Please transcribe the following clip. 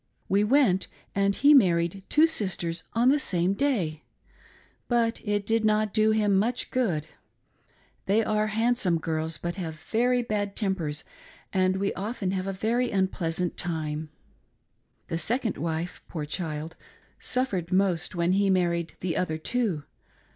We went, and he married two sisters on the same day, but it did not do him much good. They are handsome girls, but have very bad tempers and we often have a very unpleasant time. The second wife, poor child, suffered most when he married the other two.